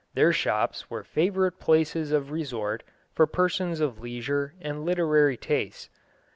Their shops were favourite places of resort for persons of leisure and literary tastes.